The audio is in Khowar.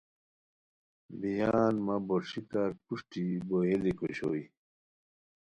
بِیان مہ بوݰیکار پروشٹی بوئیلیک اوشوئے